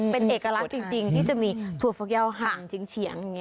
เป็นเอกลักษณ์จริงที่จะมีถั่วฟักยาวหั่นเฉียงอย่างนี้